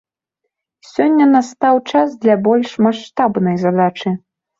Сёння настаў час для больш маштабнай задачы.